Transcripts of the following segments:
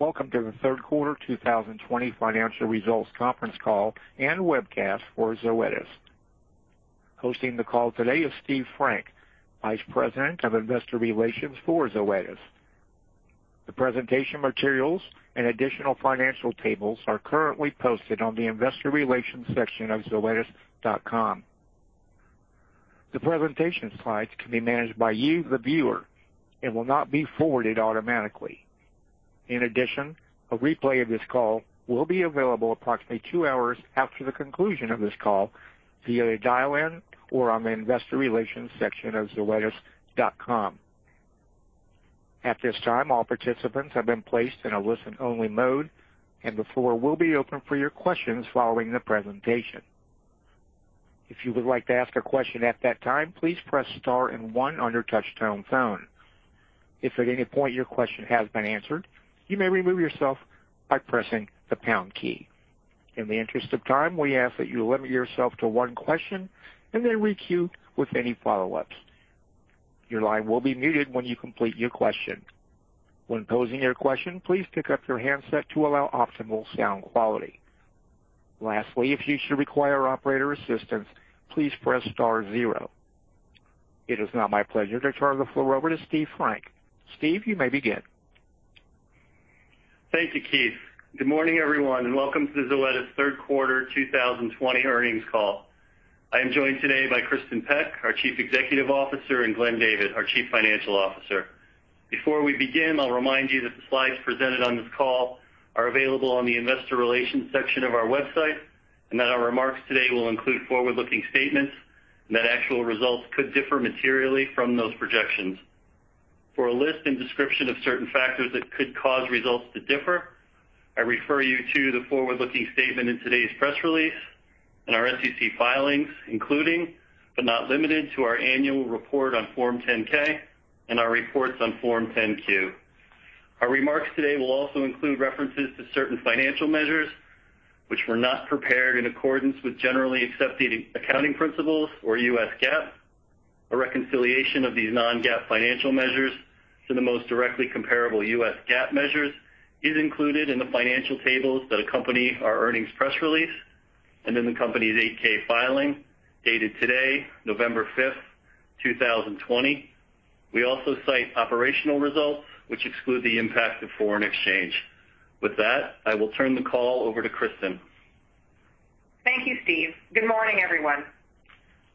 Welcome to the Third Quarter 2020 Financial Results Conference Call and Webcast for Zoetis. Hosting the call today is Steve Frank, Vice President of Investor Relations for Zoetis. The presentation materials and additional financial tables are currently posted on the investor relations section of zoetis.com. The presentation slides can be managed by you, the viewer, and will not be forwarded automatically. In addition, a replay of this call will be available approximately two hours after the conclusion of this call via dial-in or on the investor relations section of zoetis.com. At this time, all participants have been placed in a listen-only mode, and the floor will be open for your questions following the presentation. If you would like to ask a question at that time, please press star and one on your touch-tone phone. If at any point your question has been answered, you may remove yourself by pressing the pound key. In the interest of time, we ask that you limit yourself to one question, and then reach you with any follow-ups. Your line will be muted when you complete your question. When posing your question, please pick up your handset to allow optimal sound quality. Lastly, if you should require operator assistance, please press star zero. It is now my pleasure to turn the floor over to Steve Frank. Steve, you may begin. Thank you, Keith. Good morning, everyone, and welcome to the Zoetis third quarter 2020 earnings call. I am joined today by Kristin Peck, our Chief Executive Officer, and Glenn David, our Chief Financial Officer. Before we begin, I'll remind you that the slides presented on this call are available on the investor relations section of our website, and that our remarks today will include forward-looking statements and that actual results could differ materially from those projections. For a list and description of certain factors that could cause results to differ, I refer you to the forward-looking statement in today's press release and our SEC filings, including, but not limited to, our annual report on Form 10-K and our reports on Form 10-Q. Our remarks today will also include references to certain financial measures which were not prepared in accordance with generally accepted accounting principles or U.S. GAAP. A reconciliation of these non-GAAP financial measures to the most directly comparable U.S. GAAP measures is included in the financial tables that accompany our earnings press release and in the company's 8-K filing, dated today, November 5th, 2020. We also cite operational results which exclude the impact of foreign exchange. With that, I will turn the call over to Kristin. Thank you, Steve. Good morning, everyone.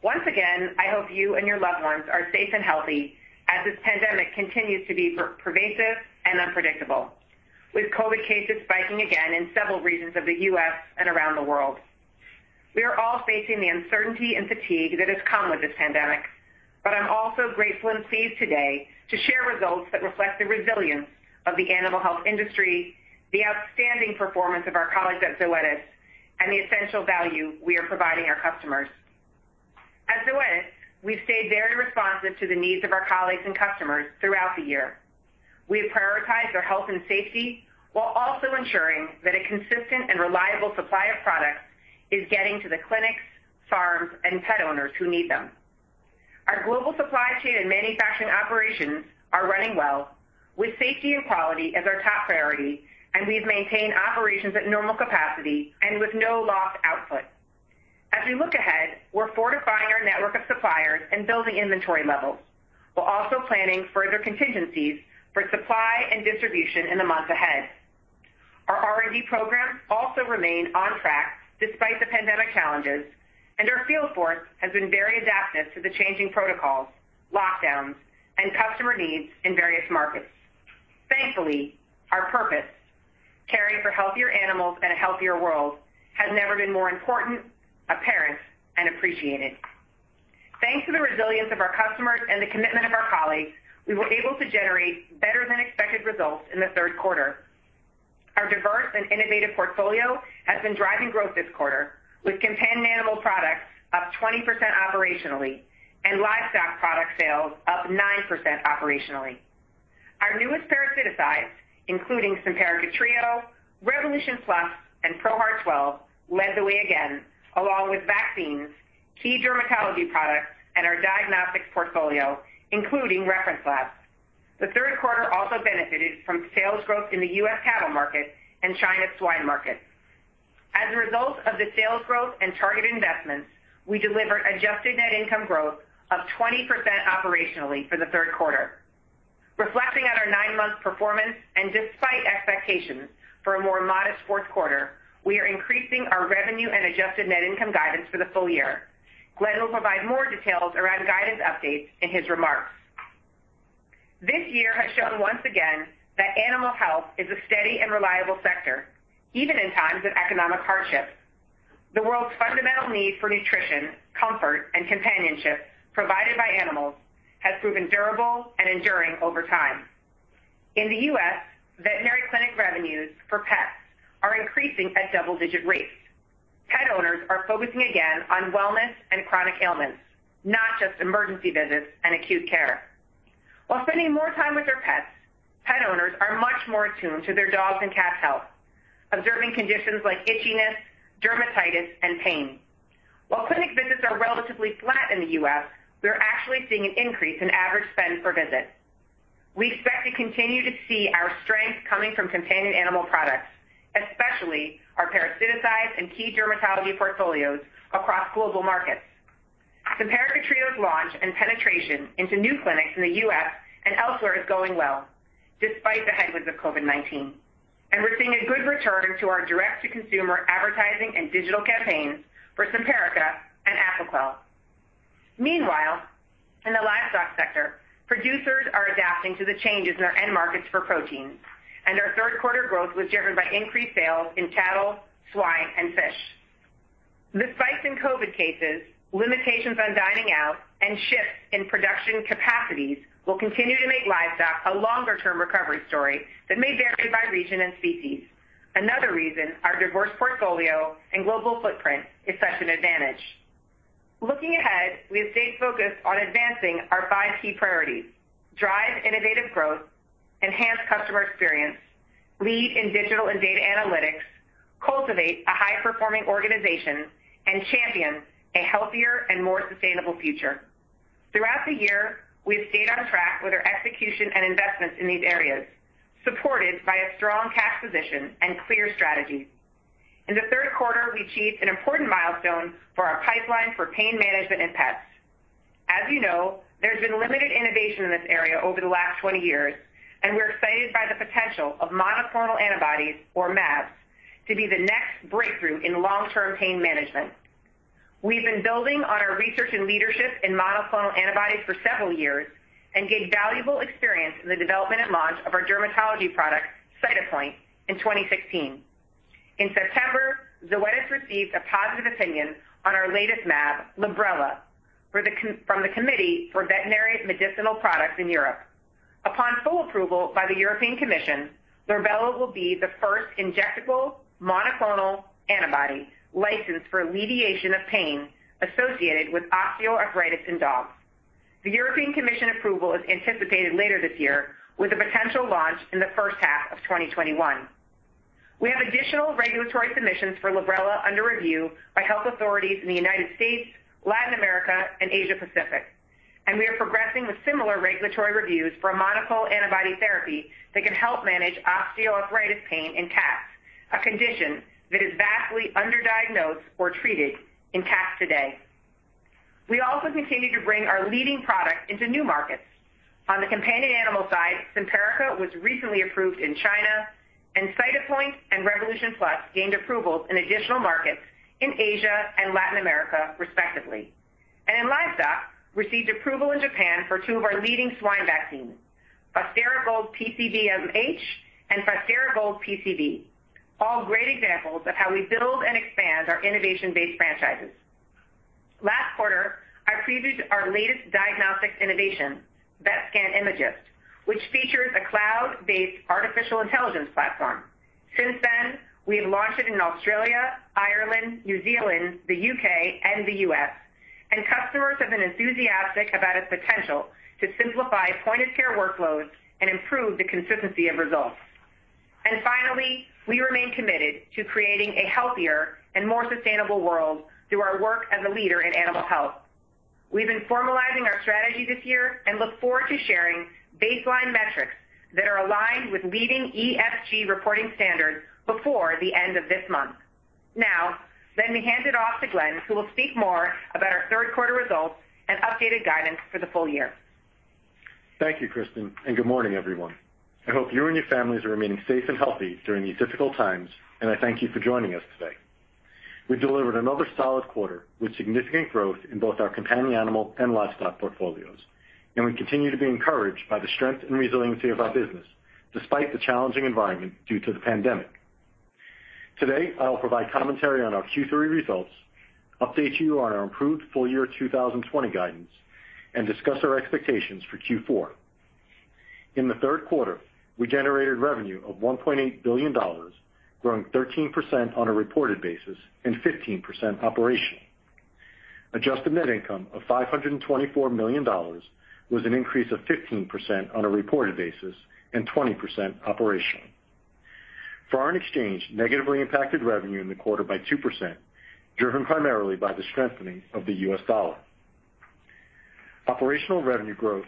Once again, I hope you and your loved ones are safe and healthy as this pandemic continues to be pervasive and unpredictable with COVID cases spiking again in several regions of the U.S. and around the world. We are all facing the uncertainty and fatigue that has come with this pandemic. I'm also grateful and pleased today to share results that reflect the resilience of the animal health industry, the outstanding performance of our colleagues at Zoetis, and the essential value we are providing our customers. At Zoetis, we've stayed very responsive to the needs of our colleagues and customers throughout the year. We have prioritized their health and safety while also ensuring that a consistent and reliable supply of products is getting to the clinics, farms, and pet owners who need them. Our global supply chain and manufacturing operations are running well with safety and quality as our top priority, and we've maintained operations at normal capacity and with no lost output. As we look ahead, we're fortifying our network of suppliers and building inventory levels. We're also planning further contingencies for supply and distribution in the months ahead. Our R&D programs also remain on track despite the pandemic challenges, and our field force has been very adaptive to the changing protocols, lockdowns, and customer needs in various markets. Thankfully, our purpose, caring for healthier animals and a healthier world, has never been more important, apparent, and appreciated. Thanks to the resilience of our customers and the commitment of our colleagues, we were able to generate better-than-expected results in the third quarter. Our diverse and innovative portfolio has been driving growth this quarter with companion animal products up 20% operationally and livestock product sales up 9% operationally. Our newest parasiticides, including Simparica Trio, Revolution Plus, and ProHeart 12, led the way again, along with vaccines, key dermatology products, and our diagnostics portfolio, including reference labs. The third quarter also benefited from sales growth in the U.S. cattle market and China swine market. As a result of the sales growth and targeted investments, we delivered adjusted net income growth of 20% operationally for the third quarter. Reflecting on our nine-month performance and despite expectations for a more modest fourth quarter, we are increasing our revenue and adjusted net income guidance for the full year. Glenn will provide more details around guidance updates in his remarks. This year has shown once again that animal health is a steady and reliable sector, even in times of economic hardship. The world's fundamental need for nutrition, comfort, and companionship provided by animals has proven durable and enduring over time. In the U.S., veterinary clinic revenues for pets are increasing at double-digit rates. Pet owners are focusing again on wellness and chronic ailments, not just emergency visits and acute care. While spending more time with their pets, pet owners are much more attuned to their dogs' and cats' health, observing conditions like itchiness, dermatitis, and pain. While clinic visits, relatively flat in the U.S., we're actually seeing an increase in average spend per visit. We expect to continue to see our strength coming from companion animal products, especially our parasiticides and key dermatology portfolios across global markets. Simparica Trio's launch and penetration into new clinics in the U.S. and elsewhere is going well despite the headwinds of COVID-19. We're seeing a good return to our direct-to-consumer advertising and digital campaigns for Simparica and Apoquel. Meanwhile, in the livestock sector, producers are adapting to the changes in our end markets for protein, and our third quarter growth was driven by increased sales in cattle, swine, and fish. The spikes in COVID cases, limitations on dining out, and shifts in production capacities will continue to make livestock a longer-term recovery story that may vary by region and species. Another reason our diverse portfolio and global footprint is such an advantage. Looking ahead, we have stayed focused on advancing our five key priorities. Drive innovative growth, enhance customer experience, lead in digital and data analytics, cultivate a high-performing organization, and champion a healthier and more sustainable future. Throughout the year, we have stayed on track with our execution and investments in these areas, supported by a strong cash position and clear strategy. In the third quarter, we achieved an important milestone for our pipeline for pain management in pets. As you know, there's been limited innovation in this area over the last 20 years, and we're excited by the potential of monoclonal antibodies, or mAbs, to be the next breakthrough in long-term pain management. We've been building on our research and leadership in monoclonal antibodies for several years and gained valuable experience in the development and launch of our dermatology product, Cytopoint, in 2016. In September, Zoetis received a positive opinion on our latest mAb, Librela, from the Committee for Veterinary Medicinal Products in Europe. Upon full approval by the European Commission, Librela will be the first injectable monoclonal antibody licensed for alleviation of pain associated with osteoarthritis in dogs. The European Commission approval is anticipated later this year with a potential launch in the first half of 2021. We have additional regulatory submissions for Librela under review by health authorities in the United States, Latin America, and Asia Pacific, and we are progressing with similar regulatory reviews for a monoclonal antibody therapy that can help manage osteoarthritis pain in cats, a condition that is vastly underdiagnosed or treated in cats today. We also continue to bring our leading product into new markets. On the companion animal side, Simparica was recently approved in China, and Cytopoint and Revolution Plus gained approvals in additional markets in Asia and Latin America, respectively. In livestock, received approval in Japan for two of our leading swine vaccines, Fostera Gold PCV MH and Fostera Gold PCV. All great examples of how we build and expand our innovation-based franchises. Last quarter, I previewed our latest diagnostics innovation, VetScan Imagyst, which features a cloud-based artificial intelligence platform. Since then, we have launched it in Australia, Ireland, New Zealand, the U.K., and the U.S., and customers have been enthusiastic about its potential to simplify point-of-care workloads and improve the consistency of results. Finally, we remain committed to creating a healthier and more sustainable world through our work as a leader in animal health. We've been formalizing our strategy this year and look forward to sharing baseline metrics that are aligned with leading ESG reporting standards before the end of this month. Let me hand it off to Glenn, who will speak more about our third quarter results and updated guidance for the full year. Thank you, Kristin, and good morning, everyone. I hope you and your families are remaining safe and healthy during these difficult times. I thank you for joining us today. We delivered another solid quarter with significant growth in both our companion animal and livestock portfolios. We continue to be encouraged by the strength and resiliency of our business, despite the challenging environment due to the pandemic. Today, I'll provide commentary on our Q3 results, update you on our improved full year 2020 guidance, and discuss our expectations for Q4. In the third quarter, we generated revenue of $1.8 billion, growing 13% on a reported basis and 15% operationally. Adjusted net income of $524 million was an increase of 15% on a reported basis and 20% operationally. Foreign exchange negatively impacted revenue in the quarter by 2%, driven primarily by the strengthening of the U.S. dollar. Operational revenue growth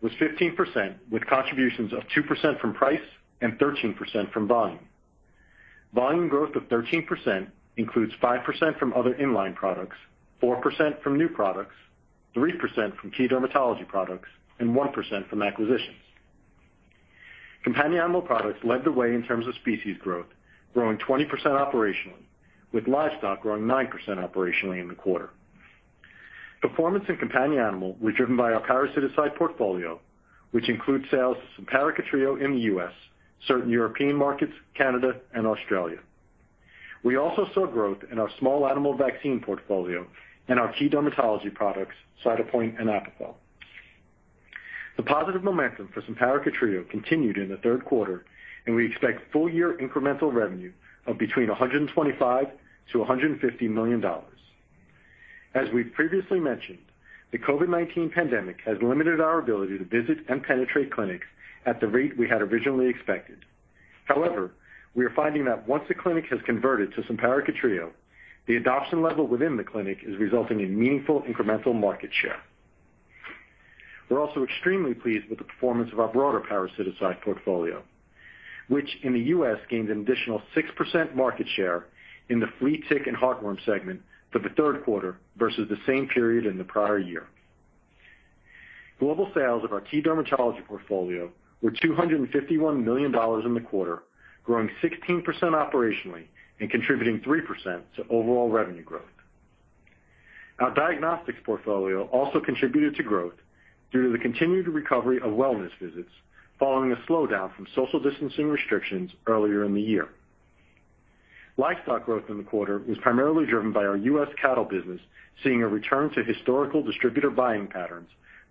was 15%, with contributions of 2% from price and 13% from volume. Volume growth of 13% includes 5% from other in-line products, 4% from new products, 3% from key dermatology products, and 1% from acquisitions. Companion animal products led the way in terms of species growth, growing 20% operationally, with livestock growing 9% operationally in the quarter. Performance in companion animal was driven by our parasiticides portfolio, which includes sales of Simparica Trio in the U.S., certain European markets, Canada, and Australia. We also saw growth in our small animal vaccine portfolio and our key dermatology products, Cytopoint and Apoquel. The positive momentum for Simparica Trio continued in the third quarter, and we expect full year incremental revenue of between $125 million-$150 million. As we've previously mentioned, the COVID-19 pandemic has limited our ability to visit and penetrate clinics at the rate we had originally expected. However, we are finding that once a clinic has converted to Simparica Trio, the adoption level within the clinic is resulting in meaningful incremental market share. We're also extremely pleased with the performance of our broader parasiticide portfolio, which in the U.S. gained an additional 6% market share in the flea, tick, and heartworm segment for the third quarter versus the same period in the prior year. Global sales of our key dermatology portfolio were $251 million in the quarter, growing 16% operationally and contributing 3% to overall revenue growth. Our diagnostics portfolio also contributed to growth due to the continued recovery of wellness visits following a slowdown from social distancing restrictions earlier in the year. Livestock growth in the quarter was primarily driven by our U.S. cattle business seeing a return to historical distributor buying patterns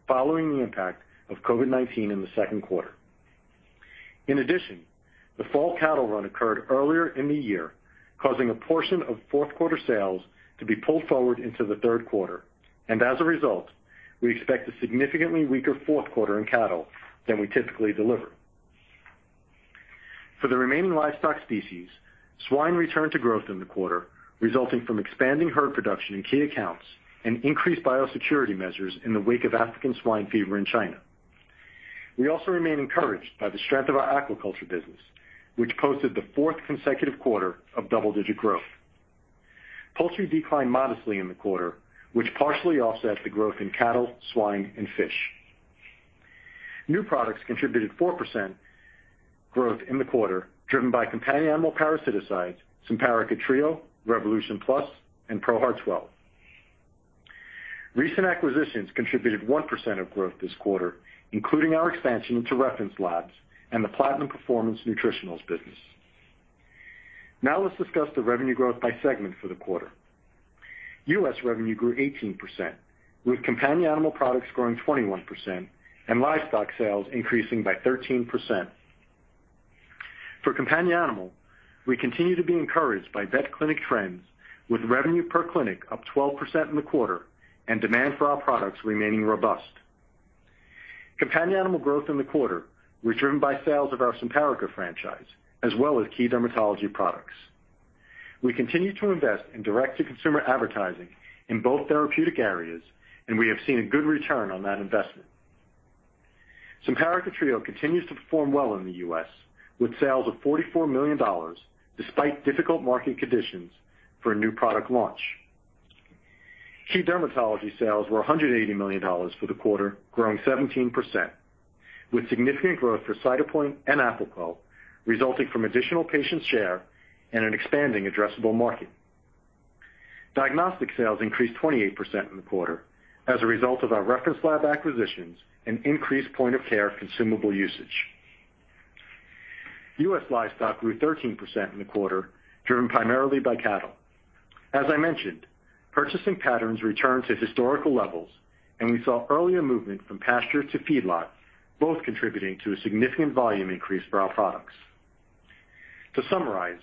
following the impact of COVID-19 in the second quarter. In addition, the fall cattle run occurred earlier in the year, causing a portion of fourth quarter sales to be pulled forward into the third quarter. As a result, we expect a significantly weaker fourth quarter in cattle than we typically deliver. For the remaining livestock species, swine returned to growth in the quarter, resulting from expanding herd production in key accounts and increased biosecurity measures in the wake of African swine fever in China. We also remain encouraged by the strength of our aquaculture business, which posted the fourth consecutive quarter of double-digit growth. Poultry declined modestly in the quarter, which partially offset the growth in cattle, swine, and fish. New products contributed 4% growth in the quarter, driven by companion animal parasiticides, Simparica Trio, Revolution Plus, and ProHeart 12. Recent acquisitions contributed 1% of growth this quarter, including our expansion into reference labs and the Platinum Performance nutritionals business. Let's discuss the revenue growth by segment for the quarter. U.S. revenue grew 18%, with companion animal products growing 21% and livestock sales increasing by 13%. For companion animal, we continue to be encouraged by vet clinic trends, with revenue per clinic up 12% in the quarter and demand for our products remaining robust. Companion animal growth in the quarter was driven by sales of our Simparica franchise as well as key dermatology products. We continue to invest in direct-to-consumer advertising in both therapeutic areas, we have seen a good return on that investment. Simparica Trio continues to perform well in the U.S., with sales of $44 million, despite difficult market conditions for a new product launch. Key dermatology sales were $180 million for the quarter, growing 17%, with significant growth for Cytopoint and Apoquel resulting from additional patient share and an expanding addressable market. Diagnostic sales increased 28% in the quarter as a result of our reference lab acquisitions and increased point-of-care consumable usage. U.S. livestock grew 13% in the quarter, driven primarily by cattle. As I mentioned, purchasing patterns returned to historical levels, we saw earlier movement from pasture to feedlot, both contributing to a significant volume increase for our products. To summarize,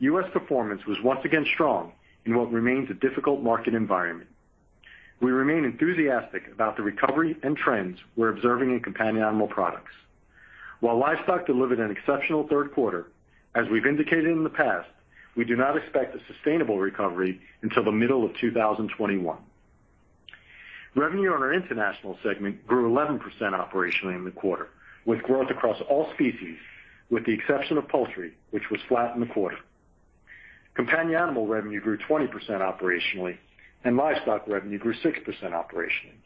U.S. performance was once again strong in what remains a difficult market environment. We remain enthusiastic about the recovery and trends we're observing in companion animal products. While livestock delivered an exceptional third quarter, as we've indicated in the past, we do not expect a sustainable recovery until the middle of 2021. Revenue on our international segment grew 11% operationally in the quarter, with growth across all species, with the exception of poultry, which was flat in the quarter. Companion animal revenue grew 20% operationally. Livestock revenue grew 6% operationally.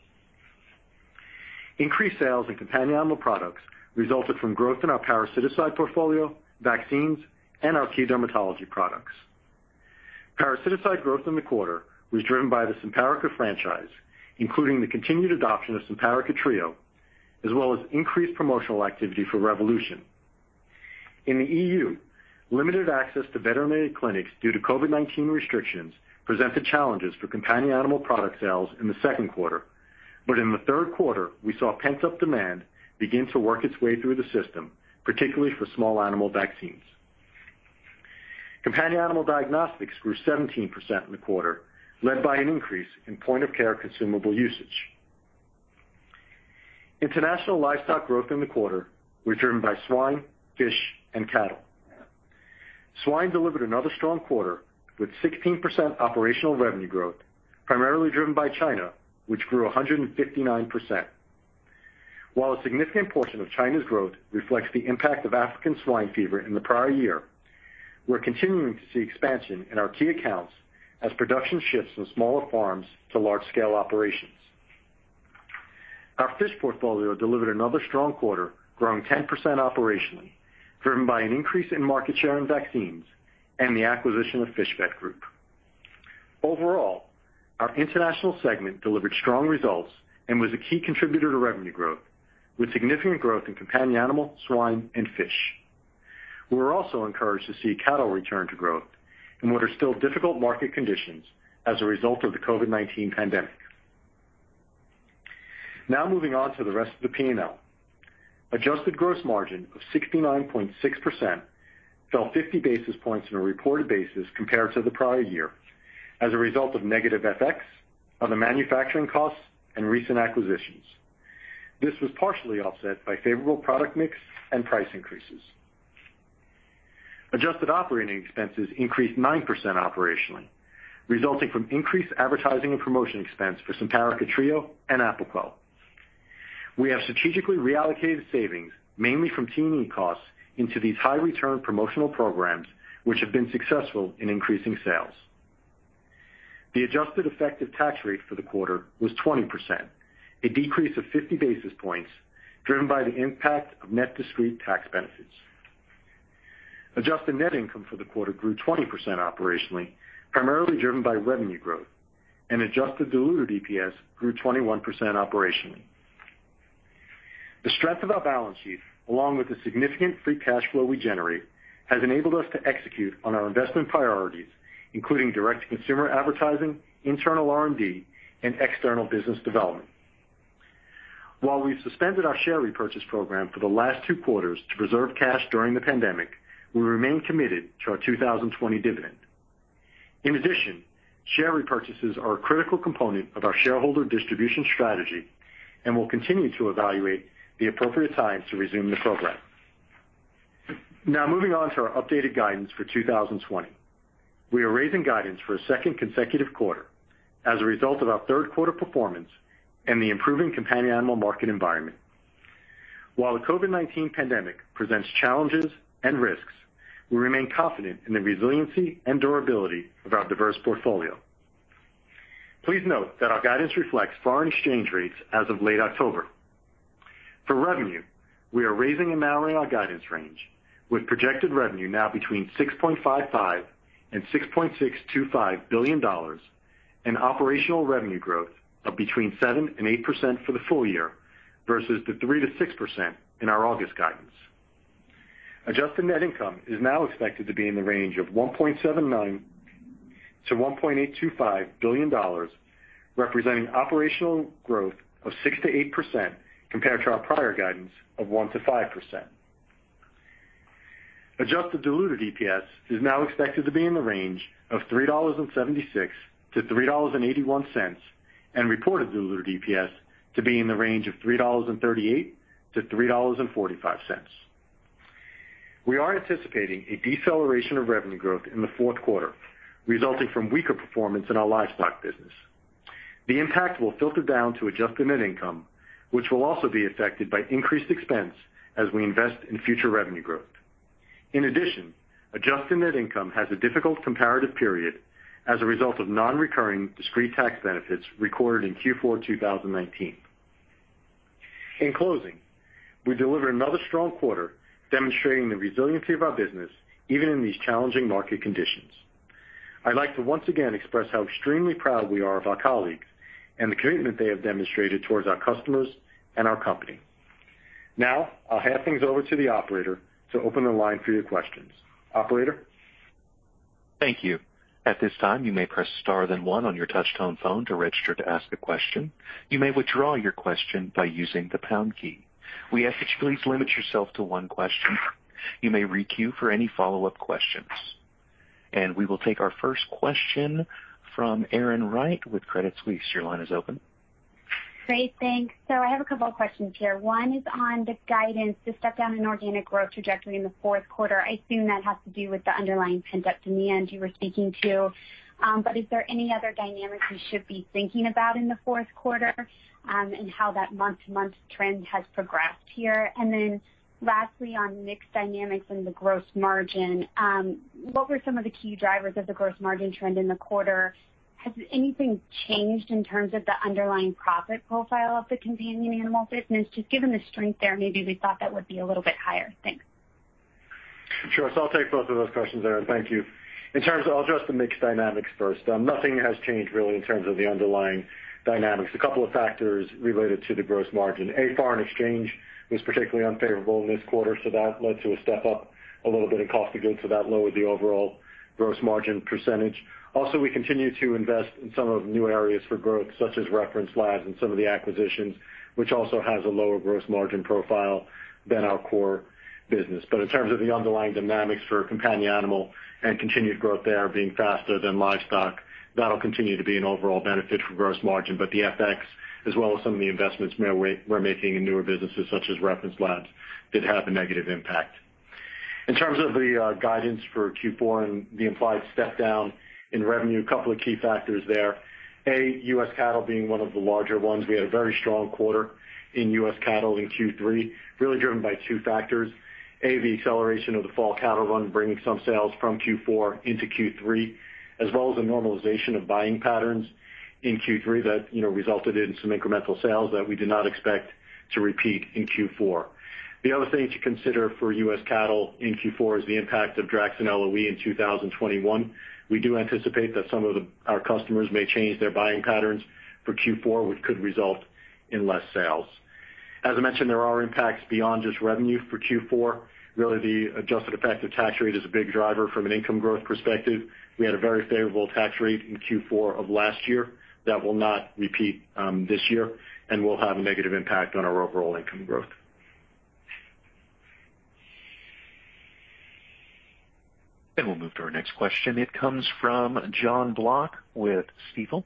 Increased sales in companion animal products resulted from growth in our parasiticide portfolio, vaccines, and our key dermatology products. Parasiticide growth in the quarter was driven by the Simparica franchise, including the continued adoption of Simparica Trio, as well as increased promotional activity for Revolution. In the E.U., limited access to veterinary clinics due to COVID-19 restrictions presented challenges for companion animal product sales in the second quarter. In the third quarter, we saw pent-up demand begin to work its way through the system, particularly for small animal vaccines. Companion animal diagnostics grew 17% in the quarter, led by an increase in point-of-care consumable usage. International livestock growth in the quarter was driven by swine, fish, and cattle. Swine delivered another strong quarter with 16% operational revenue growth, primarily driven by China, which grew 159%. While a significant portion of China's growth reflects the impact of African swine fever in the prior year, we're continuing to see expansion in our key accounts as production shifts from smaller farms to large-scale operations. Our fish portfolio delivered another strong quarter, growing 10% operationally, driven by an increase in market share and vaccines and the acquisition of Fish Vet Group. Overall, our international segment delivered strong results and was a key contributor to revenue growth, with significant growth in companion animal, swine, and fish. We're also encouraged to see cattle return to growth in what are still difficult market conditions as a result of the COVID-19 pandemic. Moving on to the rest of the P&L. Adjusted gross margin of 69.6% fell 50 basis points on a reported basis compared to the prior year as a result of negative FX, other manufacturing costs, and recent acquisitions. This was partially offset by favorable product mix and price increases. Adjusted operating expenses increased 9% operationally, resulting from increased advertising and promotion expense for Simparica Trio and Apoquel. We have strategically reallocated savings, mainly from T&E costs, into these high-return promotional programs, which have been successful in increasing sales. The adjusted effective tax rate for the quarter was 20%, a decrease of 50 basis points, driven by the impact of net discrete tax benefits. Adjusted net income for the quarter grew 20% operationally, primarily driven by revenue growth, and adjusted diluted EPS grew 21% operationally. The strength of our balance sheet, along with the significant free cash flow we generate, has enabled us to execute on our investment priorities, including direct-to-consumer advertising, internal R&D, and external business development. While we've suspended our share repurchase program for the last two quarters to preserve cash during the pandemic, we remain committed to our 2020 dividend. In addition, share repurchases are a critical component of our shareholder distribution strategy, and we'll continue to evaluate the appropriate time to resume the program. Now, moving on to our updated guidance for 2020. We are raising guidance for a second consecutive quarter as a result of our third quarter performance and the improving companion animal market environment. While the COVID-19 pandemic presents challenges and risks, we remain confident in the resiliency and durability of our diverse portfolio. Please note that our guidance reflects foreign exchange rates as of late October. For revenue, we are raising the midpoint on our guidance range, with projected revenue now between $6.55 billion and $6.625 billion and operational revenue growth of between 7% and 8% for the full year versus the 3%-6% in our August guidance. Adjusted net income is now expected to be in the range of $1.79 billion-$1.825 billion, representing operational growth of 6%-8% compared to our prior guidance of 1%-5%. Adjusted diluted EPS is now expected to be in the range of $3.76-$3.81 and reported diluted EPS to be in the range of $3.38-$3.45. We are anticipating a deceleration of revenue growth in the fourth quarter, resulting from weaker performance in our livestock business. The impact will filter down to adjusted net income, which will also be affected by increased expense as we invest in future revenue growth. Adjusted net income has a difficult comparative period as a result of non-recurring discrete tax benefits recorded in Q4 2019. In closing, we delivered another strong quarter demonstrating the resiliency of our business, even in these challenging market conditions. I'd like to once again express how extremely proud we are of our colleagues and the commitment they have demonstrated towards our customers and our company. I'll hand things over to the operator to open the line for your questions. Operator? Thank you. At this time, you may press star then one on your touch-tone phone to register to ask a question. You may withdraw your question by using the pound key. We ask that you please limit yourself to one question. You may re-queue for any follow-up questions. We will take our first question from Erin Wright with Credit Suisse. Your line is open. Great. Thanks. I have a couple of questions here. One is on the guidance, the step-down in organic growth trajectory in the fourth quarter. I assume that has to do with the underlying pent-up demand you were speaking to. Are there any other dynamics we should be thinking about in the fourth quarter, and how that month-to-month trend has progressed here? Lastly, on mix dynamics and the gross margin, what were some of the key drivers of the gross margin trend in the quarter? Has anything changed in terms of the underlying profit profile of the companion animal business? Just given the strength there, maybe we thought that would be a little bit higher. Thanks. Sure. I'll take both of those questions, Erin. Thank you. I'll address the mix dynamics first. Nothing has changed really in terms of the underlying dynamics. A couple of factors related to the gross margin. Foreign exchange was particularly unfavorable in this quarter, that led to a step up, a little bit in cost of goods. That lowered the overall gross margin percentage. Also, we continue to invest in some of the new areas for growth, such as reference labs and some of the acquisitions, which also has a lower gross margin profile than our core business. In terms of the underlying dynamics for companion animal and continued growth there being faster than livestock, that'll continue to be an overall benefit for gross margin. The FX, as well as some of the investments we're making in newer businesses such as reference labs, did have a negative impact. In terms of the guidance for Q4 and the implied step-down in revenue, a couple of key factors there. A U.S. cattle being one of the larger ones. We had a very strong quarter in U.S. cattle in Q3, really driven by two factors. A, the acceleration of the fall cattle run, bringing some sales from Q4 into Q3, as well as the normalization of buying patterns in Q3 that resulted in some incremental sales that we did not expect to repeat in Q4. The other thing to consider for U.S. attle in Q4 is the impact of Draxxin LOE in 2021. We do anticipate that some of our customers may change their buying patterns for Q4, which could result in less sales. As I mentioned, there are impacts beyond just revenue for Q4. The adjusted effective tax rate is a big driver from an income growth perspective. We had a very favorable tax rate in Q4 of last year. That will not repeat this year and will have a negative impact on our overall income growth. We'll move to our next question. It comes from Jon Block with Stifel.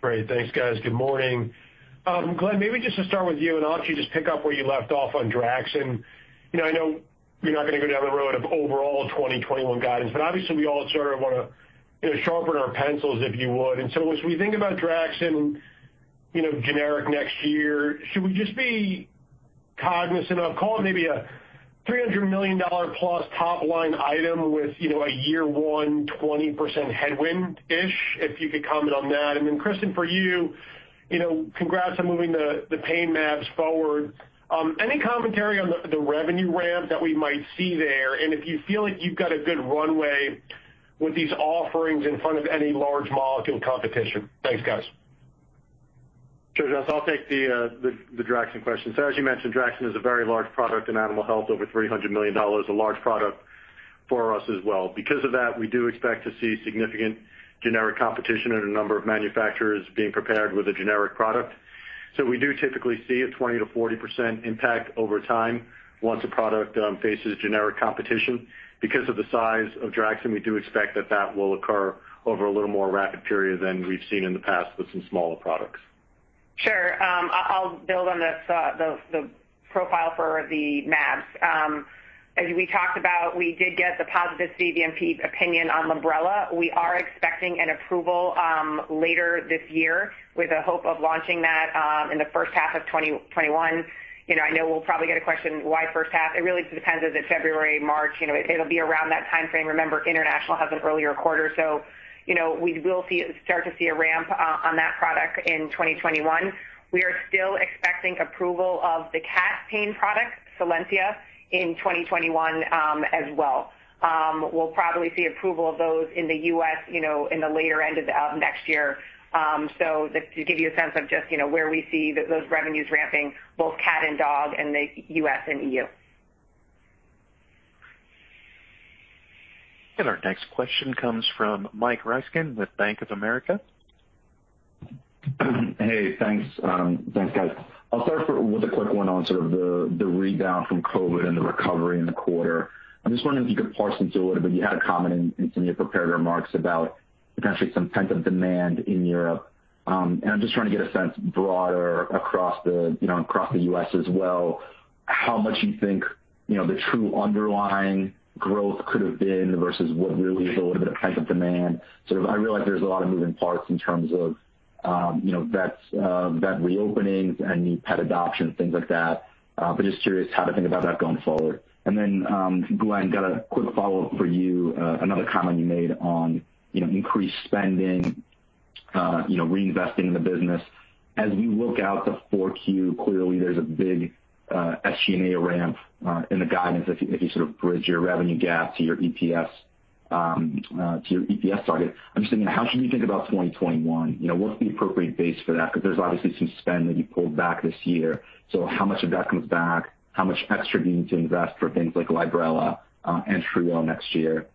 Great. Thanks, guys. Good morning. Glenn, maybe just to start with you, I'll let you just pick up where you left off on Draxxin. I know you're not going to go down the road of overall 2021 guidance. Obviously, we all sort of want to sharpen our pencils, if you would. As we think about Draxxin generic next year, should we just be cognizant of call it maybe a $300 million+ top-line item with a year one, 20% headwind-ish? If you could comment on that. Kristin, for you, congrats on moving the pain jabs forward. Any commentary on the revenue ramp that we might see there? If you feel like you've got a good runway with these offerings in front of any large molecule competition. Thanks, guys. Sure, Jon. I'll take the Draxxin question. As you mentioned, Draxxin is a very large product in animal health, over $300 million, a large product for us as well. Because of that, we do expect to see significant generic competition and a number of manufacturers being prepared with a generic product. We do typically see a 20%-40% impact over time once a product faces generic competition. Because of the size of Draxxin, we do expect that will occur over a little more rapid period than we've seen in the past with some smaller products. Sure. I'll build on the profile for the jabs. As we talked about, we did get the positive CVMP opinion on Librela. We are expecting an approval later this year with a hope of launching that in the first half of 2021. I know we'll probably get a question why first half. It really depends. Is it February, March? It'll be around that timeframe. Remember, international has an earlier quarter, so we will start to see a ramp on that product in 2021. We are still expecting approval of the cat pain product, Solensia, in 2021 as well. We'll probably see approval of those in the U.S. in the later end of next year. Just to give you a sense of just where we see those revenues ramping, both cat and dog in the U.S. and EU. Our next question comes from Mike Ryskin with Bank of America. Hey, thanks. Thanks, guys. I'll start with a quick one on sort of the rebound from COVID and the recovery in the quarter. I'm just wondering if you could parse into it. You had a comment in some of your prepared remarks about potentially some pent-up demand in Europe. I'm just trying to get a sense broader across the U.S. as well, how much you think the true underlying growth could have been versus what really is a little bit of pent-up demand, sort of. I realize there's a lot of moving parts in terms of vet reopenings and new pet adoption, things like that. Just curious how to think about that going forward. Glenn, got a quick follow-up for you. Another comment you made on increased spending, reinvesting in the business. As we look out to 4Q, clearly there's a big SG&A ramp in the guidance if you sort of bridge your revenue gap to your EPS target. I'm just thinking, how should we think about 2021? What's the appropriate base for that? Because there's obviously some spend that you pulled back this year. How much of that comes back? How much extra do you need to invest for things like Librela and Trio next year?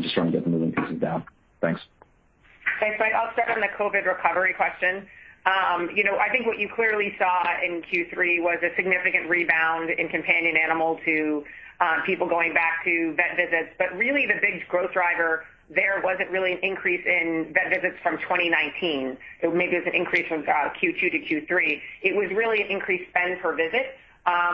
Just trying to get the moving pieces down. Thanks. Thanks, Mike. I'll start on the COVID recovery question. I think what you clearly saw in Q3 was a significant rebound in companion animals to people going back to vet visits. Really the big growth driver there wasn't really an increase in vet visits from 2019. Maybe it was an increase from Q2 to Q3. It was really increased spend per visit,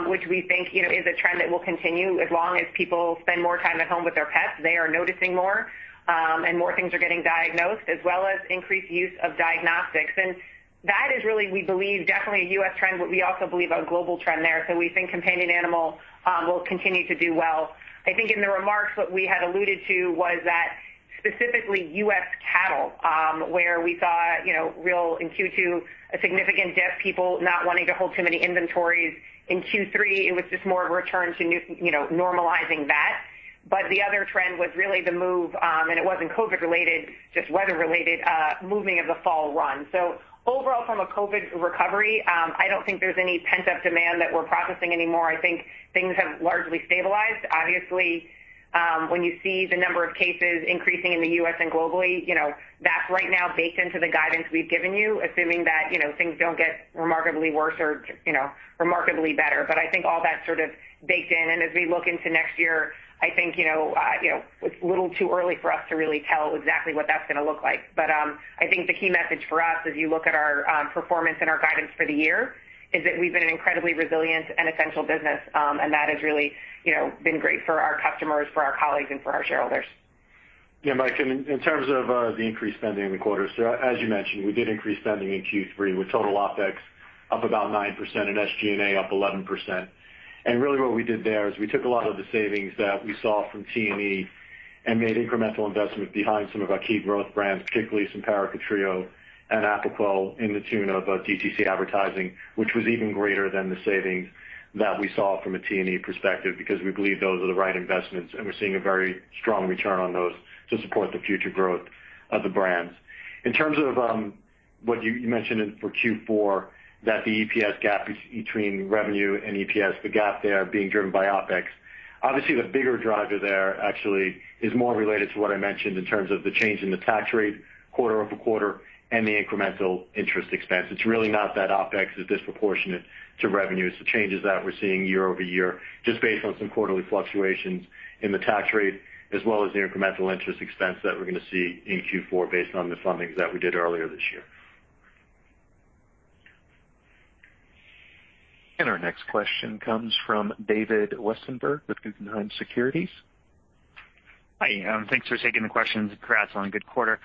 which we think is a trend that will continue as long as people spend more time at home with their pets. They are noticing more, and more things are getting diagnosed, as well as increased use of diagnostics. That is really, we believe, definitely a U.S. trend, but we also believe a global trend there. We think companion animal will continue to do well. I think in the remarks, what we had alluded to was that specifically U.S. cattle, where we saw real in Q2, a significant dip, people not wanting to hold too many inventories. In Q3, it was just more of a return to normalizing that. The other trend was really the move, and it wasn't COVID related, just weather related, moving of the fall run. Overall, from a COVID recovery, I don't think there's any pent-up demand that we're processing anymore. I think things have largely stabilized. Obviously, when you see the number of cases increasing in the U.S. and globally, that's right now baked into the guidance we've given you, assuming that things don't get remarkably worse or remarkably better. I think all that's sort of baked in, and as we look into next year, I think it's a little too early for us to really tell exactly what that's going to look like. I think the key message for us as you look at our performance and our guidance for the year is that we've been an incredibly resilient and essential business, and that has really been great for our customers, for our colleagues, and for our shareholders. Yeah, Mike, in terms of the increased spending in the quarter, as you mentioned, we did increase spending in Q3, with total OpEx up about 9% and SG&A up 11%. Really what we did there is we took a lot of the savings that we saw from T&E and made incremental investment behind some of our key growth brands, particularly Simparica Trio and Apoquel, in the tune of DTC advertising, which was even greater than the savings that we saw from a T&E perspective, because we believe those are the right investments, and we're seeing a very strong return on those to support the future growth of the brands. In terms of what you mentioned for Q4, that the EPS gap between revenue and EPS, the gap there being driven by OpEx. The bigger driver there actually is more related to what I mentioned in terms of the change in the tax rate quarter-over-quarter and the incremental interest expense. It's really not that OpEx is disproportionate to revenues. The changes that we're seeing year-over-year, just based on some quarterly fluctuations in the tax rate, as well as the incremental interest expense that we're going to see in Q4 based on the fundings that we did earlier this year. Our next question comes from David Westenberg with Guggenheim Securities. Hi. Thanks for taking the questions. Congrats on a good quarter.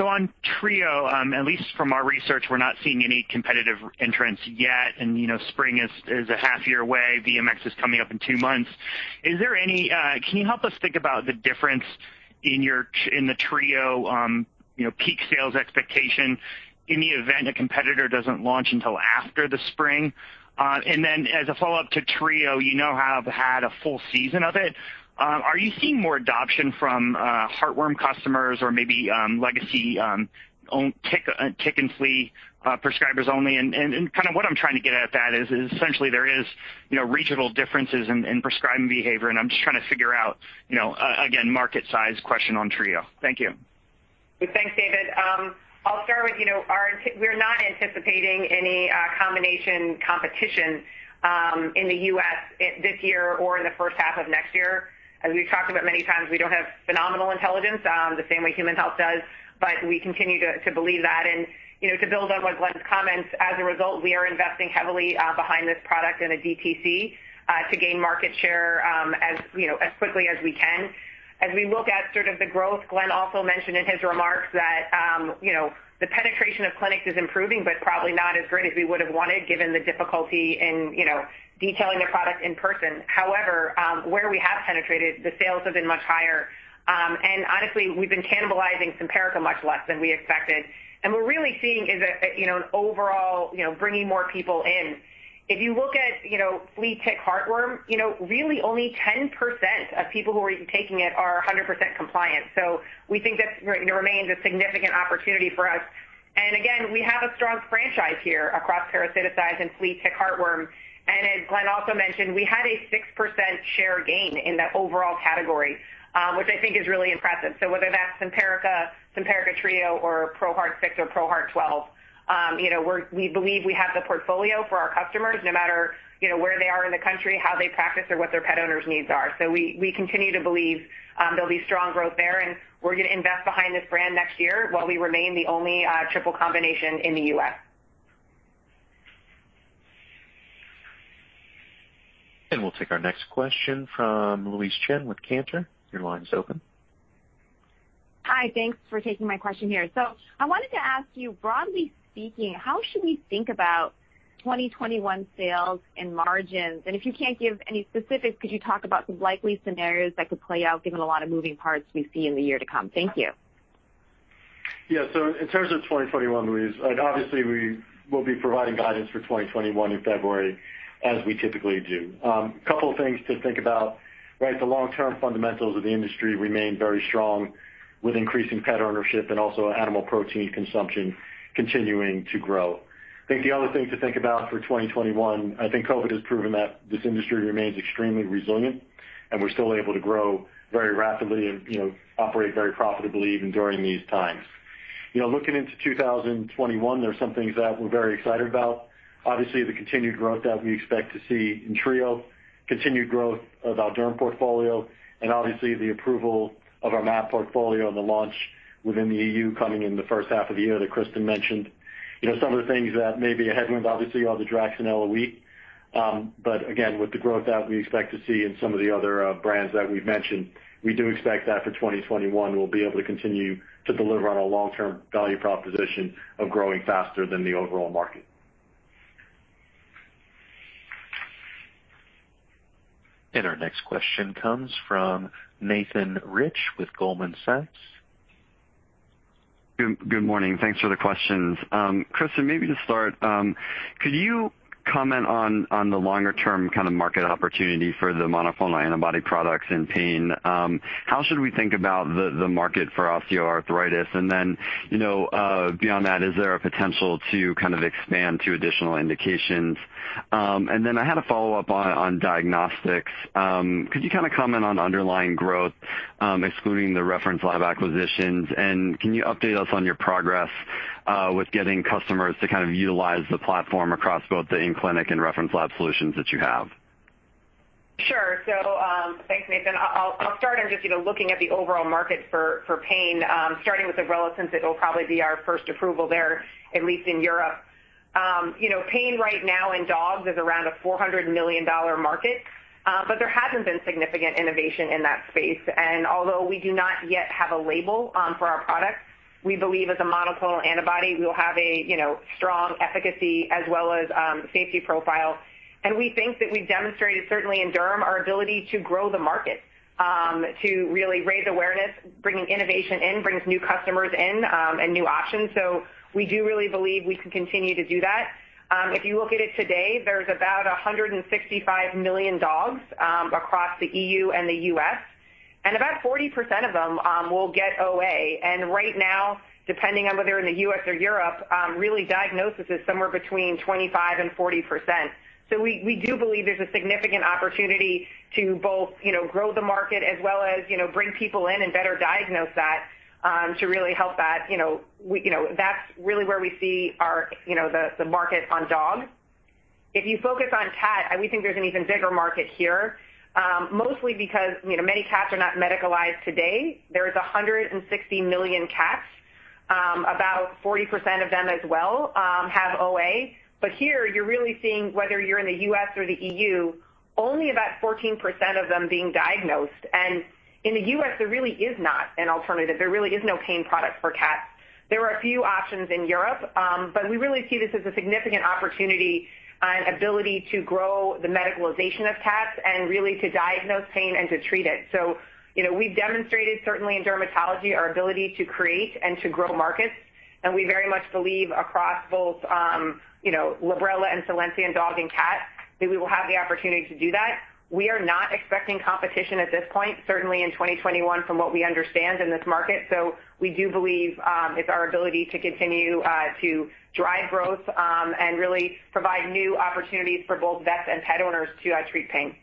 On Trio, at least from our research, we're not seeing any competitive entrants yet, and spring is a half year away. VMX is coming up in two months. Can you help us think about the difference in the Trio peak sales expectation in the event a competitor doesn't launch until after the spring? As a follow-up to Trio, you now have had a full season of it. Are you seeing more adoption from heartworm customers or maybe legacy tick and flea prescribers only? What I'm trying to get at that is, essentially, there is regional differences in prescribing behavior, and I'm just trying to figure out, again, market size question on Trio. Thank you. Thanks, David. I'll start with, we're not anticipating any combination competition in the U.S. this year or in the first half of next year. As we've talked about many times, we don't have phenomenal intelligence the same way Human Health does, but we continue to believe that. To build on Glenn's comments, as a result, we are investing heavily behind this product in a DTC to gain market share as quickly as we can. As we look at sort of the growth, Glenn also mentioned in his remarks that the penetration of clinics is improving, but probably not as great as we would've wanted, given the difficulty in detailing the product in person. However, where we have penetrated, the sales have been much higher. Honestly, we've been cannibalizing Simparica much less than we expected. We're really seeing is that an overall bringing more people in. If you look at flea, tick, heartworm, really only 10% of people who are even taking it are 100% compliant. We think that remains a significant opportunity for us. Again, we have a strong franchise here across parasiticides and flea, tick, heartworm. As Glenn also mentioned, we had a 6% share gain in the overall category, which I think is really impressive. Whether that's Simparica Trio, or ProHeart 6 or ProHeart 12, we believe we have the portfolio for our customers no matter where they are in the country, how they practice, or what their pet owners' needs are. We continue to believe there'll be strong growth there, and we're going to invest behind this brand next year while we remain the only triple combination in the U.S. We'll take our next question from Louise Chen with Cantor. Your line's open. Hi. Thanks for taking my question here. I wanted to ask you, broadly speaking, how should we think about 2021 sales and margins? If you can't give any specifics, could you talk about some likely scenarios that could play out given a lot of moving parts we see in the year to come? Thank you. Yeah. In terms of 2021, Louise, obviously, we will be providing guidance for 2021 in February as we typically do. Couple things to think about, right? The long-term fundamentals of the industry remain very strong with increasing pet ownership and also animal protein consumption continuing to grow. I think the other thing to think about for 2021, I think COVID has proven that this industry remains extremely resilient, and we're still able to grow very rapidly and operate very profitably even during these times. Looking into 2021, there's some things that we're very excited about. Obviously, the continued growth that we expect to see in Trio, continued growth of our derm portfolio, and obviously the approval of our mAb portfolio and the launch within the E.U. coming in the first half of the year that Kristin mentioned. Some of the things that may be a headwind, obviously, are the Draxxin LOE. Again, with the growth that we expect to see in some of the other brands that we've mentioned, we do expect that for 2021, we'll be able to continue to deliver on a long-term value proposition of growing faster than the overall market. Our next question comes from Nathan Rich with Goldman Sachs. Good morning. Thanks for the questions. Kristin, maybe to start, could you comment on the longer-term kind of market opportunity for the monoclonal antibody products in pain? How should we think about the market for osteoarthritis? Beyond that, is there a potential to kind of expand to additional indications? I had a follow-up on diagnostics. Could you kind of comment on underlying growth, excluding the reference lab acquisitions? Can you update us on your progress with getting customers to kind of utilize the platform across both the in-clinic and reference lab solutions that you have? Sure. Thanks, Nathan. I'll start on just looking at the overall market for pain, starting with Librela. It'll probably be our first approval there, at least in Europe. Pain right now in dogs is around a $400 million market. There hasn't been significant innovation in that space. Although we do not yet have a label for our product, we believe as a monoclonal antibody, we will have a strong efficacy as well as safety profile. We think that we've demonstrated, certainly in derm, our ability to grow the market to really raise awareness. Bringing innovation in brings new customers in and new options. We do really believe we can continue to do that. If you look at it today, there's about 165 million dogs across the E.U. and the U.S., and about 40% of them will get OA. Right now, depending on whether in the U.S. or Europe, really diagnosis is somewhere between 25% and 40%. We do believe there's a significant opportunity to both grow the market as well as bring people in and better diagnose that to really help that. That's really where we see the market on dogs. If you focus on cat, we think there's an even bigger market here. Mostly because many cats are not medicalized today. There is 160 million cats, about 40% of them as well have OA. Here, you're really seeing whether you're in the U.S. or the EU, only about 14% of them being diagnosed. In the U.S., there really is not an alternative. There really is no pain product for cats. There are a few options in Europe, but we really see this as a significant opportunity and ability to grow the medicalization of cats and really to diagnose pain and to treat it. We've demonstrated certainly in dermatology, our ability to create and to grow markets, and we very much believe across both Librela and Solensia in dog and cat, that we will have the opportunity to do that. We are not expecting competition at this point, certainly in 2021 from what we understand in this market. We do believe it's our ability to continue to drive growth, and really provide new opportunities for both vets and pet owners to treat pain.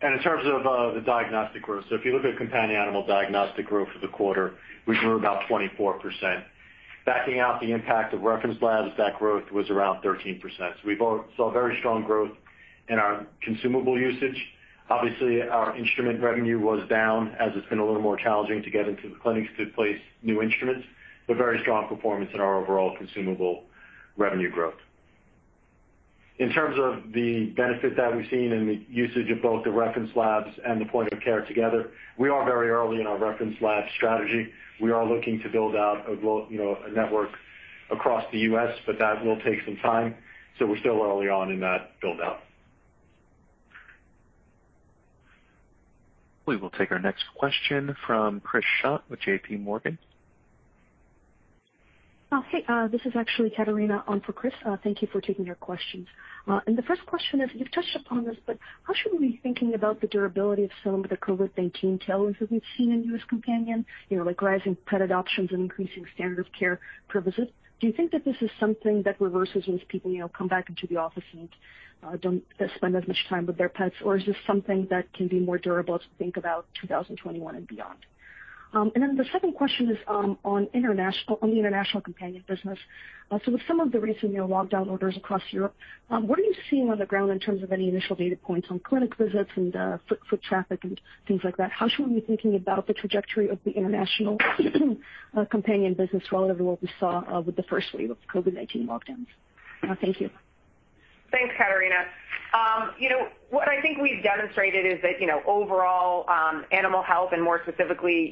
In terms of the diagnostic growth, if you look at companion animal diagnostic growth for the quarter, we grew about 24%. Backing out the impact of reference labs, that growth was around 13%. We saw very strong growth in our consumable usage. Obviously, our instrument revenue was down as it's been a little more challenging to get into the clinics to place new instruments, but very strong performance in our overall consumable revenue growth. In terms of the benefit that we've seen in the usage of both the reference labs and the point of care together, we are very early in our reference lab strategy. We are looking to build out a network across the U.S., but that will take some time, we're still early on in that build-out. We will take our next question from Chris Schott with J.P. Morgan. Hey, this is actually Katarina on for Chris. Thank you for taking our questions. The first question is, you've touched upon this, but how should we be thinking about the durability of some of the COVID-19 tailwinds that we've seen in U.S. companion? Like rising pet adoptions and increasing standard of care purposes. Do you think that this is something that reverses once people come back into the office and don't spend as much time with their pets? Is this something that can be more durable as we think about 2021 and beyond? The second question is on the international companion business. With some of the recent lockdown orders across Europe, what are you seeing on the ground in terms of any initial data points on clinic visits and foot traffic and things like that? How should we be thinking about the trajectory of the international companion business relative to what we saw with the first wave of COVID-19 lockdowns? Thank you. Thanks, Katarina. What I think we've demonstrated is that overall, animal health and more specifically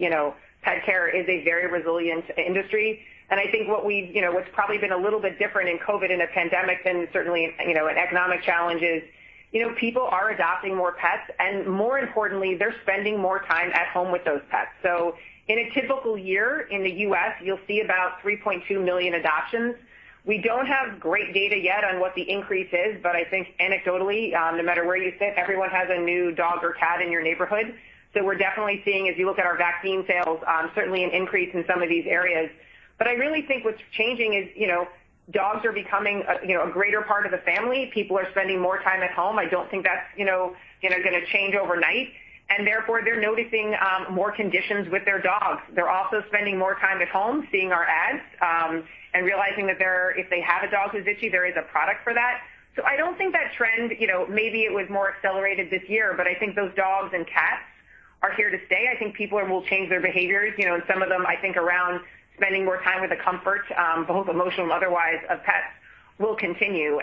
pet care is a very resilient industry. I think what's probably been a little bit different in COVID, in a pandemic than certainly in economic challenges, people are adopting more pets and more importantly, they're spending more time at home with those pets. In a typical year in the U.S., you'll see about 3.2 million adoptions. We don't have great data yet on what the increase is, but I think anecdotally, no matter where you sit, everyone has a new dog or cat in your neighborhood. We're definitely seeing, as you look at our vaccine sales, certainly an increase in some of these areas. I really think what's changing is dogs are becoming a greater part of the family. People are spending more time at home. I don't think that's going to change overnight, and therefore, they're noticing more conditions with their dogs. They're also spending more time at home seeing our ads, and realizing that if they have a dog who's itchy, there is a product for that. I don't think that trend, maybe it was more accelerated this year, but I think those dogs and cats are here to stay. I think people will change their behaviors, and some of them, I think around spending more time with the comfort, both emotional and otherwise, of pets will continue.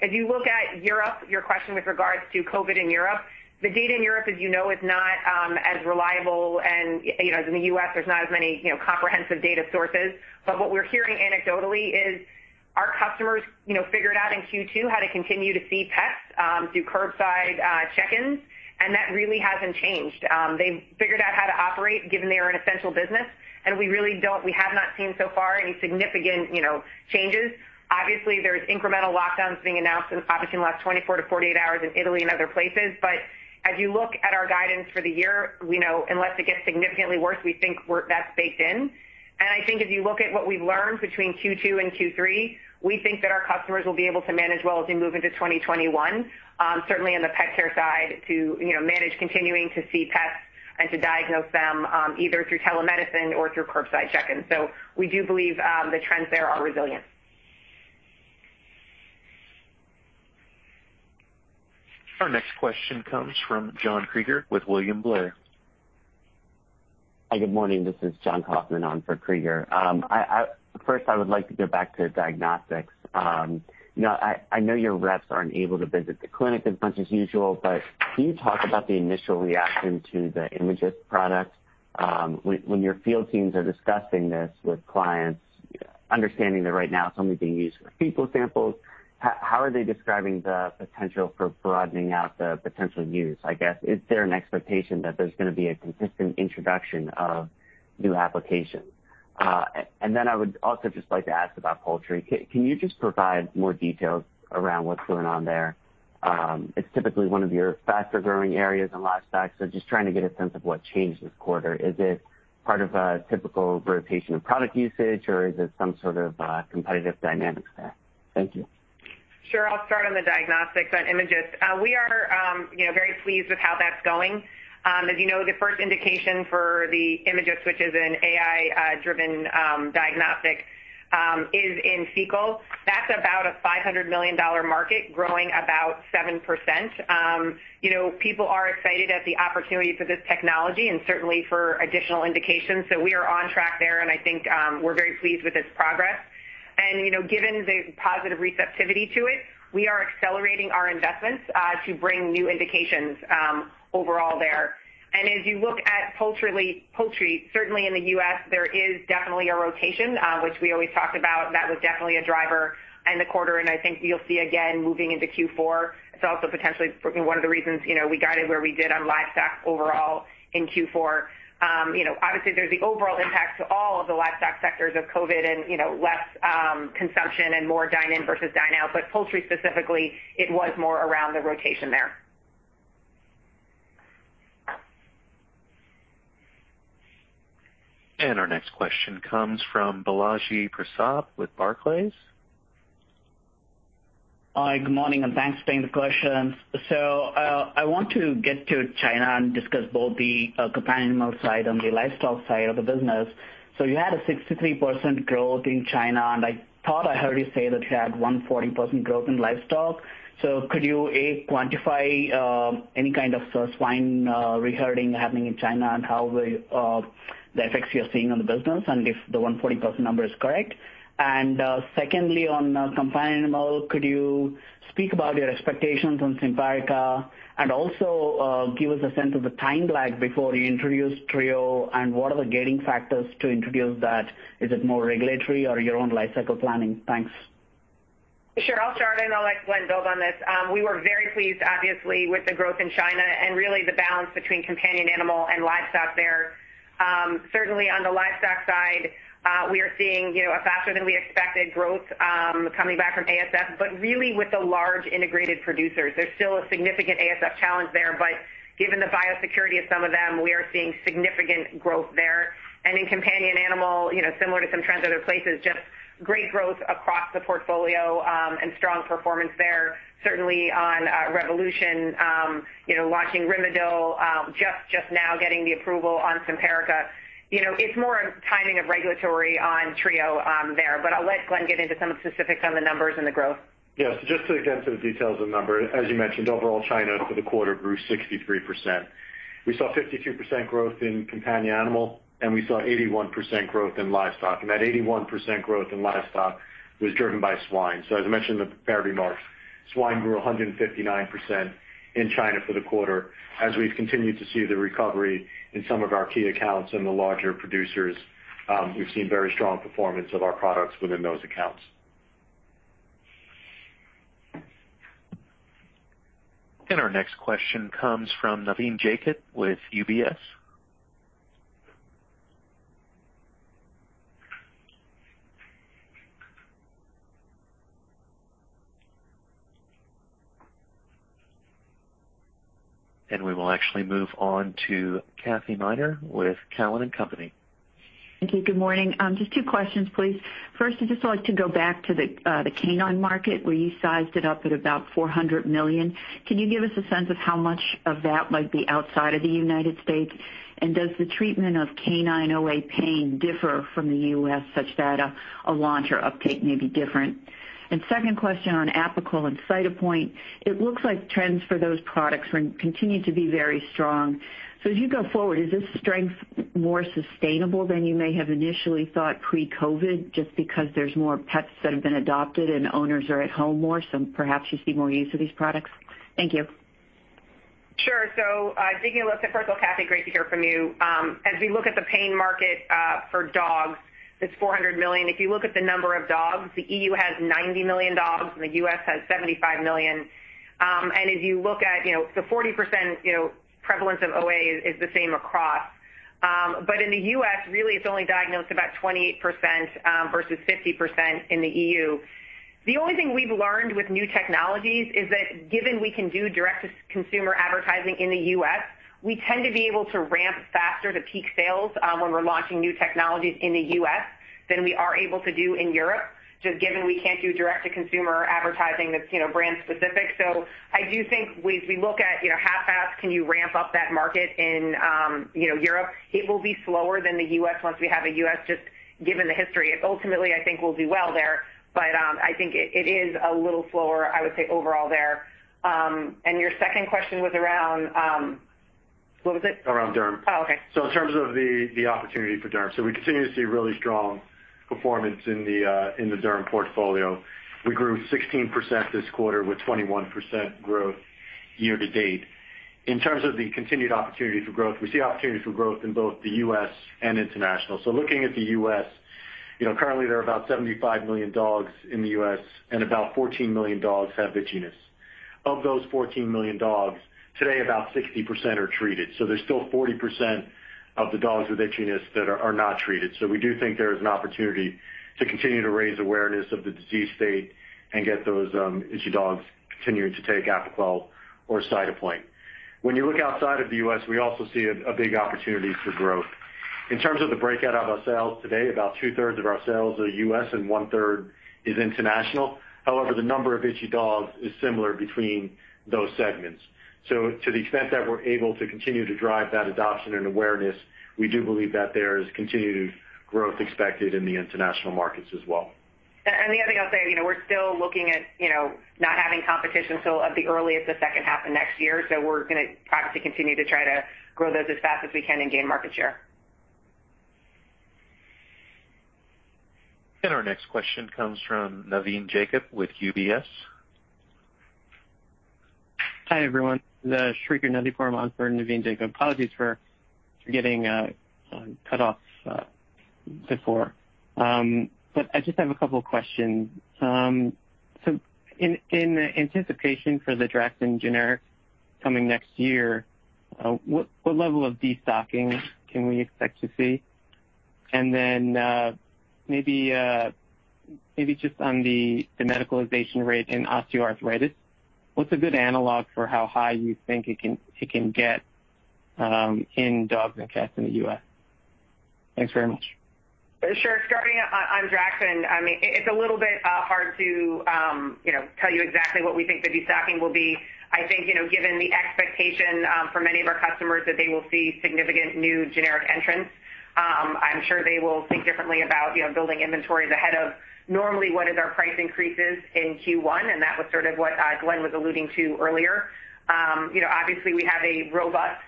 If you look at Europe, your question with regards to COVID in Europe, the data in Europe as you know is not as reliable and, as in the U.S., there's not as many comprehensive data sources. What we're hearing anecdotally is our customers figured out in Q2 how to continue to see pets through curbside check-ins, and that really hasn't changed. They've figured out how to operate given they are an essential business, and we have not seen so far any significant changes. Obviously, there's incremental lockdowns being announced, obviously can last 24 hours-48 hours in Italy and other places. As you look at our guidance for the year, we know unless it gets significantly worse, we think that's baked in. I think if you look at what we've learned between Q2 and Q3, we think that our customers will be able to manage well as we move into 2021. Certainly on the pet care side to manage continuing to see pets and to diagnose them, either through telemedicine or through curbside check-ins. We do believe the trends there are resilient. Our next question comes from John Kreger with William Blair. Hi, good morning. This is Jon Kaufman on for Kreger. First I would like to go back to diagnostics. I know your reps aren't able to visit the clinic as much as usual, but can you talk about the initial reaction to the Imagyst product? When your field teams are discussing this with clients, understanding that right now it's only being used for fecal samples, how are they describing the potential for broadening out the potential use, I guess? Is there an expectation that there's going to be a consistent introduction of new applications? I would also just like to ask about poultry. Can you just provide more details around what's going on there? It's typically one of your faster-growing areas in livestock, so just trying to get a sense of what changed this quarter. Is it part of a typical rotation of product usage or is it some sort of competitive dynamics there? Thank you. Sure. I'll start on the diagnostics on Imagyst. We are very pleased with how that's going. As you know, the first indication for the Imagyst, which is an AI-driven diagnostic is in fecal. That's about a $500 million market growing about 7%. People are excited at the opportunity for this technology and certainly for additional indications. We are on track there, and I think, we're very pleased with this progress. Given the positive receptivity to it, we are accelerating our investments to bring new indications, overall there. As you look at poultry, certainly in the U.S., there is definitely a rotation, which we always talked about. That was definitely a driver in the quarter, and I think you'll see again moving into Q4. It's also potentially one of the reasons we guided where we did on livestock overall in Q4. Obviously, there's the overall impact to all of the livestock sectors of COVID-19 and less consumption and more dine-in versus dine-out. Poultry specifically, it was more around the rotation there. Our next question comes from Balaji Prasad with Barclays. Hi, good morning, and thanks for taking the questions. I want to get to China and discuss both the companion animal side and the livestock side of the business. You had a 63% growth in China, and I thought I heard you say that you had 140% growth in livestock. Could you, A, quantify any kind of swine reherding happening in China and the effects you're seeing on the business and if the 140% number is correct? Secondly, on companion animal, could you speak about your expectations on Simparica and also give us a sense of the time lag before you introduce Trio and what are the gating factors to introduce that? Is it more regulatory or your own life cycle planning? Thanks. Sure. I'll start, and I'll let Glenn build on this. We were very pleased, obviously, with the growth in China and really the balance between companion animal and livestock there. Certainly on the livestock side, we are seeing a faster than we expected growth coming back from ASF, really with the large integrated producers. There's still a significant ASF challenge there. Given the biosecurity of some of them, we are seeing significant growth there. In companion animal, similar to some trends, other places, just great growth across the portfolio, and strong performance there. Certainly on Revolution, launching Rimadyl, just now getting the approval on Simparica. It's more a timing of regulatory on Trio there, I'll let Glenn get into some specifics on the numbers and the growth. Yes. Just to get into the details of the number, as you mentioned, overall China for the quarter grew 63%. We saw 52% growth in companion animal, we saw 81% growth in livestock. That 81% growth in livestock was driven by swine. As I mentioned in the prepared remarks, swine grew 159% in China for the quarter. As we've continued to see the recovery in some of our key accounts and the larger producers, we've seen very strong performance of our products within those accounts. Our next question comes from Naveen Jacob with UBS. We will actually move on to Kathy Miner with Cowen and Company. Thank you. Good morning. Just two questions, please. First, I'd just like to go back to the canine market where you sized it up at about $400 million. Can you give us a sense of how much of that might be outside of the United States? Does the treatment of canine OA pain differ from the U.S. such that a launch or uptake may be different? Second question on Apoquel and Cytopoint. It looks like trends for those products continue to be very strong. As you go forward, is this strength more sustainable than you may have initially thought pre-COVID, just because there's more pets that have been adopted and owners are at home more, so perhaps you see more use of these products? Thank you. Sure. Digging a little bit. First of all, Kathy, great to hear from you. As we look at the pain market for dogs, it's $400 million. If you look at the number of dogs, the E.U. has 90 million dogs, and the U.S. has 75 million. If you look at the 40%, prevalence of OA is the same across. In the U.S., really, it's only diagnosed about 28%, versus 50% in the E.U. The only thing we've learned with new technologies is that given we can do direct-to-consumer advertising in the U.S., we tend to be able to ramp faster to peak sales, when we're launching new technologies in the U.S. than we are able to do in Europe, just given we can't do direct-to-consumer advertising that's brand specific. I do think as we look at how fast can you ramp up that market in Europe, it will be slower than the U.S. once we have a U.S., just given the history. It ultimately, I think, will do well there, but I think it is a little slower, I would say overall there. Your second question was, what was it? Around derm. Oh, okay. In terms of the opportunity for derm. We continue to see really strong performance in the derm portfolio. We grew 16% this quarter with 21% growth year-to-date. In terms of the continued opportunity for growth, we see opportunity for growth in both the U.S. and international. Looking at the U.S., currently there are about 75 million dogs in the U.S. and about 14 million dogs have itchiness. Of those 14 million dogs, today, about 60% are treated. There's still 40% of the dogs with itchiness that are not treated. We do think there is an opportunity to continue to raise awareness of the disease state and get those itchy dogs continuing to take Apoquel or Cytopoint. When you look outside of the U.S., we also see a big opportunity for growth. In terms of the breakout of our sales today, about 2/3 of our sales are U.S. and 1/3 is international. However, the number of itchy dogs is similar between those segments. To the extent that we're able to continue to drive that adoption and awareness, we do believe that there is continued growth expected in the international markets as well. The other thing I'll say, we're still looking at not having competition till at the earliest, the second half of next year. We're going to practically continue to try to grow those as fast as we can and gain market share. Our next question comes from Naveen Jacob with UBS. Hi, everyone. Shrikar Naveen Kumar for Naveen Jacob. Apologies for getting cut off before. I just have a couple of questions. In anticipation for the Draxxin generics coming next year, what level of destocking can we expect to see? Maybe just on the medicalization rate in osteoarthritis, what's a good analog for how high you think it can get in dogs and cats in the U.S.? Thanks very much. Sure. Starting on Draxxin. It's a little bit hard to tell you exactly what we think the destocking will be. I think, given the expectation for many of our customers that they will see significant new generic entrants, I'm sure they will think differently about building inventories ahead of normally what is our price increases in Q1, and that was sort of what Glenn was alluding to earlier. Obviously, we have a robust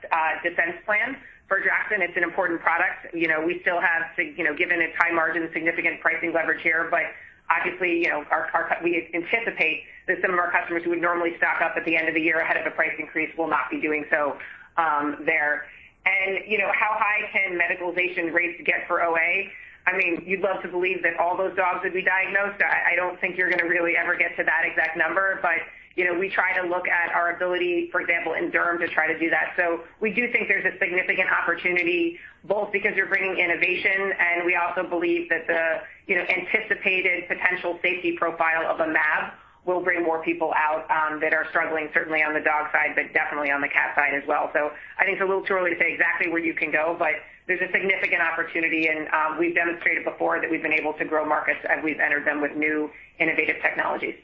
defense plan for Draxxin. It's an important product. We still have, given its high margin, significant pricing leverage here, but obviously, we anticipate that some of our customers who would normally stock up at the end of the year ahead of a price increase will not be doing so there. How high can medicalization rates get for OA? You'd love to believe that all those dogs would be diagnosed. I don't think you're going to really ever get to that exact number. We try to look at our ability, for example, in derm to try to do that. We do think there's a significant opportunity, both because you're bringing innovation and we also believe that the anticipated potential safety profile of a mAb will bring more people out that are struggling, certainly on the dog side, but definitely on the cat side as well. I think it's a little too early to say exactly where you can go, but there's a significant opportunity, and we've demonstrated before that we've been able to grow markets as we've entered them with new innovative technologies.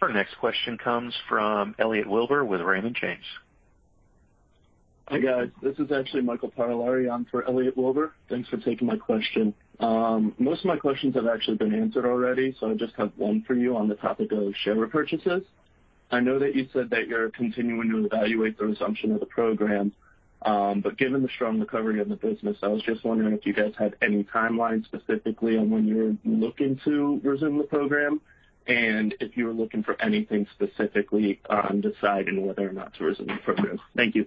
Our next question comes from Elliot Wilbur with Raymond James. Hi, guys. This is actually Michael Parolari on for Elliot Wilbur. Thanks for taking my question. Most of my questions have actually been answered already. I just have one for you on the topic of share repurchases. Given the strong recovery of the business, I was just wondering if you guys had any timeline specifically on when you're looking to resume the program, and if you are looking for anything specifically on deciding whether or not to resume the program. Thank you.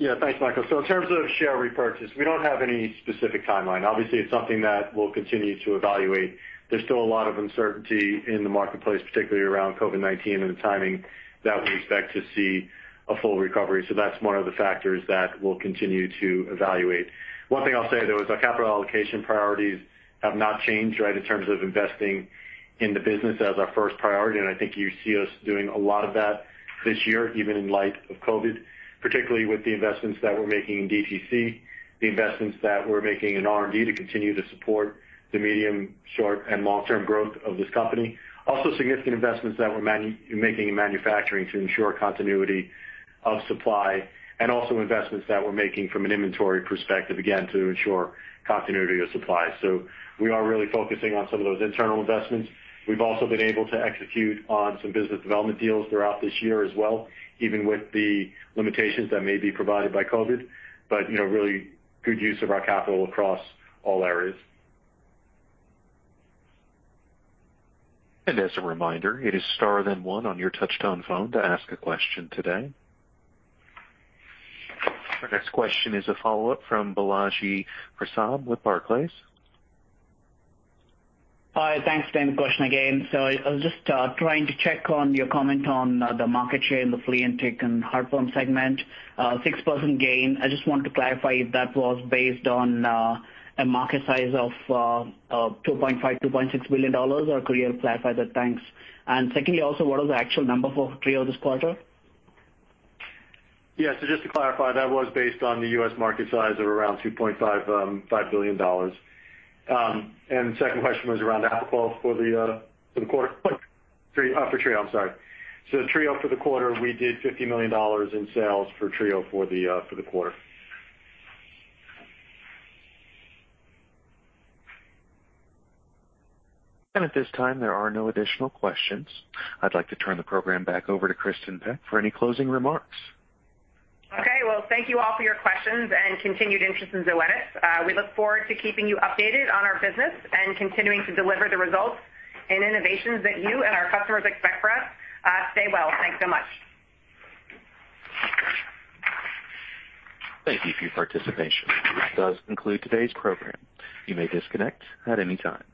Thanks, Michael. In terms of share repurchase, we don't have any specific timeline. Obviously, it's something that we'll continue to evaluate. There's still a lot of uncertainty in the marketplace, particularly around COVID-19 and the timing that we expect to see a full recovery. That's one of the factors that we'll continue to evaluate. One thing I'll say, though, is our capital allocation priorities have not changed, right? In terms of investing in the business as our first priority, and I think you see us doing a lot of that this year, even in light of COVID, particularly with the investments that we're making in DTC, the investments that we're making in R&D to continue to support the medium, short, and long-term growth of this company. Also, significant investments that we're making in manufacturing to ensure continuity of supply, and also investments that we're making from an inventory perspective, again, to ensure continuity of supply. We are really focusing on some of those internal investments. We've also been able to execute on some business development deals throughout this year as well, even with the limitations that may be provided by COVID, but really good use of our capital across all areas. As a reminder, it is star 1 on your touch-tone phone to ask a question today. Our next question is a follow-up from Balaji Prasad with Barclays. Hi. Thanks. Same question again. I was just trying to check on your comment on the market share in the flea and tick and heartworm segment, 6% gain. I just want to clarify if that was based on a market size of $2.5 billion, $2.6 billion, or could you clarify that? Thanks. Secondly, also, what is the actual number for Trio this quarter? Yeah. Just to clarify, that was based on the U.S. market size of around $2.5 billion. The second question was around Apoquel for the quarter. For Trio, I'm sorry. Trio for the quarter, we did $50 million in sales for Trio for the quarter. At this time, there are no additional questions. I'd like to turn the program back over to Kristin Peck for any closing remarks. Okay. Well, thank you all for your questions and continued interest in Zoetis. We look forward to keeping you updated on our business and continuing to deliver the results and innovations that you and our customers expect from us. Stay well. Thanks so much. Thank you for your participation. This does conclude today's program. You may disconnect at any time.